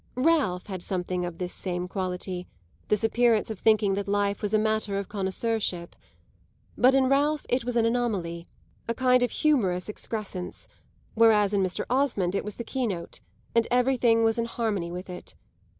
Ralph had something of this same quality, this appearance of thinking that life was a matter of connoisseurship; but in Ralph it was an anomaly, a kind of humorous excrescence, whereas in Mr. Osmond it was the keynote, and everything was in harmony with it.